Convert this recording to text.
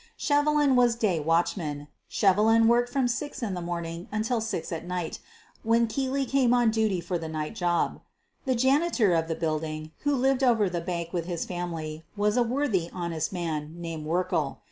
Shevelin was day watchman. Shevelin worked from six in the morning until six at night, when Keely came on duty for the night job. The janitor of the building, who lived over the bank with his family, was a worthy, honest man ' named Werkle.